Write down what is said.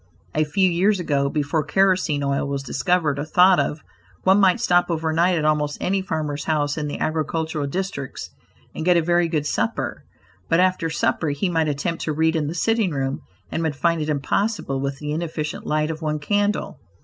A few years ago, before kerosene oil was discovered or thought of, one might stop overnight at almost any farmer's house in the agricultural districts and get a very good supper, but after supper he might attempt to read in the sitting room, and would find it impossible with the inefficient light of one candle.